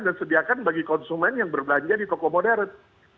dan sediakan bagi konsumen yang berbelanja di toko modern